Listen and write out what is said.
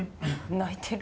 泣いてる？